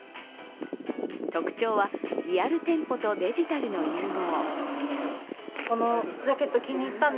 特徴は、リアル店舗とデジタルの融合。